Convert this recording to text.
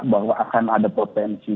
bahwa akan ada potensi